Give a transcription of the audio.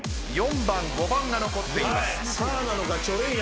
４番５番が残っています。